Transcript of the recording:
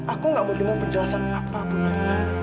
aku gak mau dengar penjelasan apa benarnya